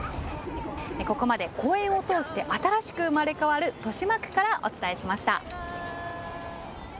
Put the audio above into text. ここまで公園を通して新しく生まれ変わる豊島区からお伝えしました。